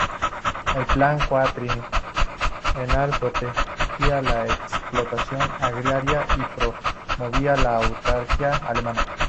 El Plan Cuatrienal protegía la explotación agraria y promovía la autarquía alemana.